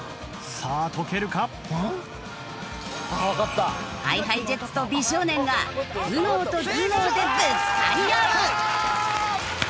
はあ？ＨｉＨｉＪｅｔｓと美少年が頭脳と頭脳でぶつかり合う。